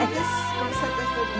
ご無沙汰しております。